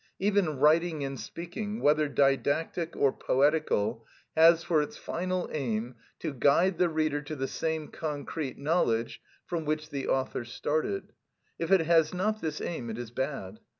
Even writing and speaking, whether didactic or poetical, has for its final aim to guide the reader to the same concrete knowledge from which the author started; if it has not this aim it is bad.